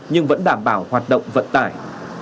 nhưng vẫn đảm bảo hoạt động vận tải